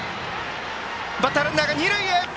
バッターランナーが二塁へ。